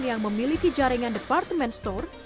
yang memiliki jaringan departemen store